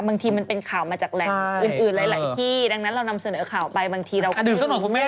บางทีมันเป็นข่าวมาจากแหล่งอื่นหลายที่ดังนั้นเรานำเสนอข่าวไปบางทีเราก็ดูสนุกคุณแม่